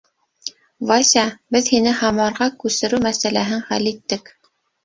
— Вася, беҙ һине Һамарға күсереү мәсьәләһен хәл иттек.